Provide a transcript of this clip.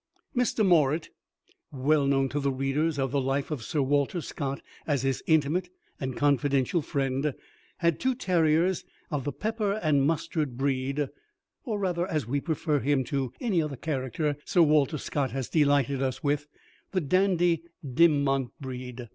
Mr. Morritt, well known to the readers of the Life of Sir Walter Scott, as his intimate and confidential friend, had two terriers of the pepper and mustard breed, or rather, as we prefer him to any other character Sir Walter Scott has delighted us with, the Dandy Dinmont breed.